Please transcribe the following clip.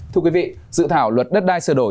thưa quý vị dự thảo luật đất đai sửa đổi